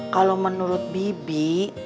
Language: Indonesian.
kalau menurut bibi